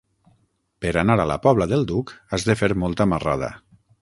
Per anar a la Pobla del Duc has de fer molta marrada.